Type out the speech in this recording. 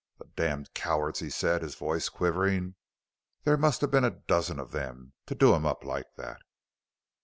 "The damned cowards!" he said, his voice quivering. "There must have been a dozen of them to do him up like that!"